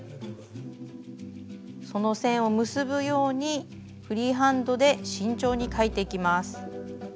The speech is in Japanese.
その線を結ぶようにフリーハンドで慎重に描いていきます。